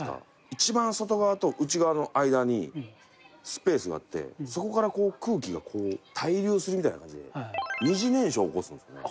一番外側と内側の間にスペースがあってそこから空気がこう対流するみたいな感じで二次燃焼を起こすんですよね。